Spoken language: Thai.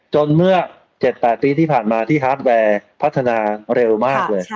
เมื่อ๗๘ปีที่ผ่านมาที่ฮาร์ดแวร์พัฒนาเร็วมากเลย